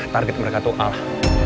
target mereka tuh allah